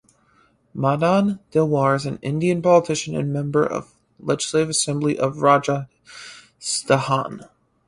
Madan Dilawar is an Indian politician and member of legislative assembly of Rajasthan.